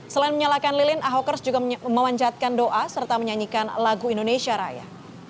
selain menyalakan lilin ahokers juga memanjatkan doa serta menyanyikan lagu indonesia raya